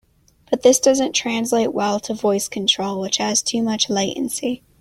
But this doesn't translate well to voice control, which has too much latency.